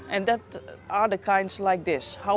dan itu adalah hal seperti ini